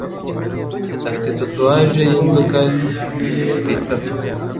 Afite tatouage yinzoka ku itako.